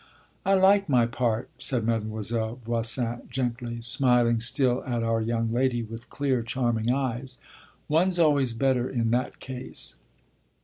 "I like my part," said Mademoiselle Voisin gently, smiling still at our young lady with clear, charming eyes. "One's always better in that case."